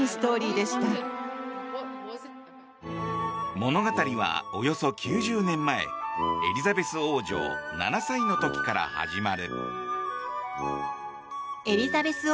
物語は、およそ９０年前エリザベス王女７歳の時から始まる。